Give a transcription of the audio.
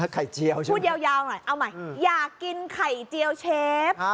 ไข่เจียวใช่ไหมพูดยาวหน่อยเอาใหม่อยากกินไข่เจียวเชฟ